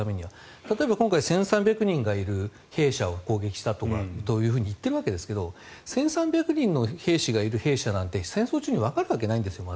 例えば今回１３００人がいる兵舎を攻撃したと言っているわけですが１３００人の兵士がいる兵舎なんて戦争中にわかるはずないんです。